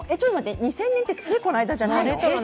２０００年って、ついこの間じゃないの！？